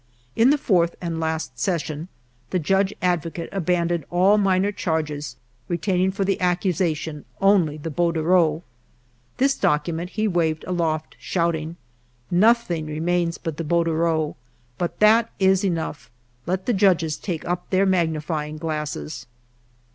In the fourth and last session, the Judge Ad vocate abandoned all minor charges, retaining for the accusation only the bordereau. This docu ment he waved aloft, shouting :—• 24 FIVE YEARS OF MY LIFE " Nothing remains but the bordereau, but that is enough. Let the judges take up their magni fying glasses."